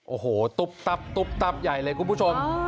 โอ้โหตุ๊บตับตุ๊บตับใหญ่เลยคุณผู้ชม